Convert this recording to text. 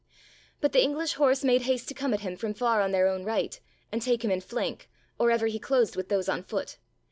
But the English horse made haste to come at him from far on their own right, and take him in flank, or ever he closed with those on foot.